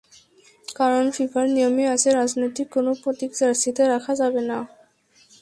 কারণ ফিফার নিয়মই আছে, রাজনৈতিক কোনো প্রতীক জার্সিতে রাখা যাবে না।